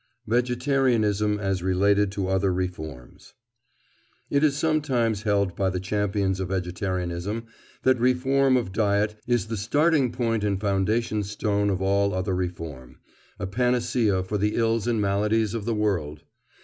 VEGETARIANISM AS RELATED TO OTHER REFORMS It is sometimes held by the champions of vegetarianism that reform of diet is the starting point and foundation stone of all other reform—a panacea for the ills and maladies of the world.